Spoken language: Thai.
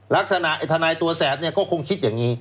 ลักษณะไอ้ทนายตัวแสบเนี่ยก็คงคิดอย่างนี้